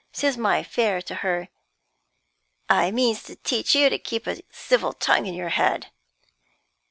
Says my fare to her: 'I means to teach you to keep a civil tongue in your head.